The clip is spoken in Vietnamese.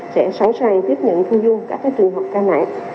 sẽ sẵn sàng tiếp nhận thu dung các trường hợp ca nặng